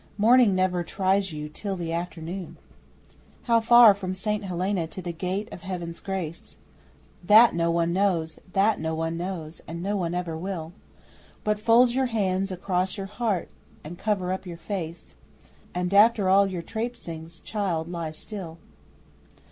(Morning never tries you till the afternoon!) How far from St Helena to the Gate of Heaven's Grace? That no one knows that no one knows and no one ever will. But fold your hands across your heart and cover up your face, And after all your trapesings, child, lie still!